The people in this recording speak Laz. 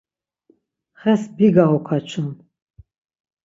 Xes biga okaçun.